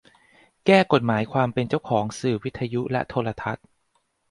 แก้กฎหมายความเป็นเจ้าของสื่อวิทยุและโทรทัศน์